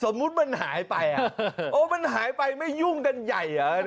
สมมุติมันหายไปโอ้มันหายไปไม่ยุ่งกันใหญ่